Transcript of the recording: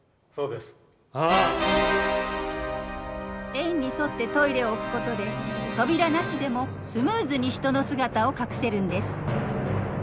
円に沿ってトイレを置くことで扉なしでもスムーズに人の姿を隠せるんです。